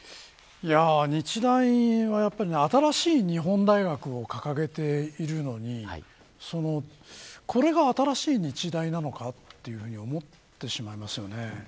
日大は、新しい日本大学を掲げているのにこれが新しい日大なのかというふうに思ってしまいますよね。